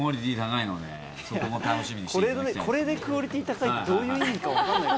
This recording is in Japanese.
これでクオリティー高いってどういう意味か分かんない。